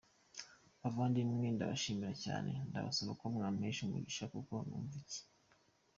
bavandimwe, ndabashimiye cyane ,ndasaba ko mwampesha umugisha kuko numva iki.